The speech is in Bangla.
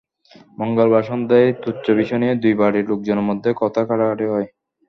মঙ্গলবার সন্ধ্যায় তুচ্ছ বিষয় নিয়ে দুই বাড়ির লোকজনের মধ্যে কথা-কাটাকাটি হয়।